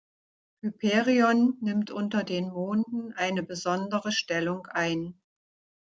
Hyperion nimmt unter den Monden eine besondere Stellung ein.